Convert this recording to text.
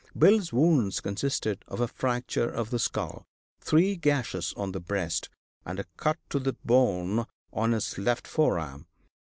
Bill's wounds consisted of a fracture of the skull, three gashes on the breast, and a cut to the bone on his left forearm.